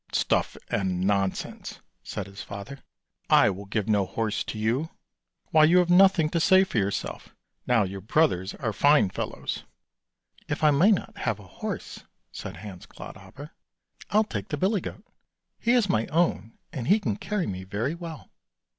" Stuff and nonsense," said his father, " I will give no horse to you. Why you have got nothing to say for yourself, now your brothers are fine fellows." " If I mayn't have a horse," said Hans Clodhopper, " I'll take the billy goat, he is my own and he can carry me very well!